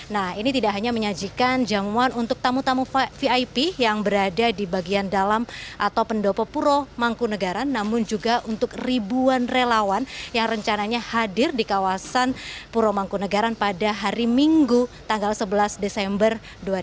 nah ini tidak hanya menyajikan jamuan untuk tamu tamu vip yang berada di bagian dalam atau pendopo puro mangkunagaran namun juga untuk ribuan relawan yang rencananya hadir di kawasan puro mangkunagaran pada hari minggu tanggal sebelas desember dua ribu dua puluh